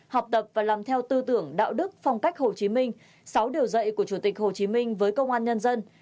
học tập và làm theo tư tưởng đạo đức phong cách hồ chí minh sáu điều dạy của chủ tịch hồ chí minh với công an nhân dân